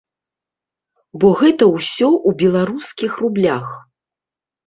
Бо гэта ўсё у беларускіх рублях.